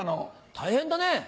大変だね。